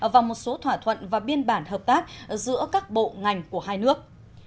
và một số thỏa thuận và biên bản hợp tác giữa các bộ ngành của hai nước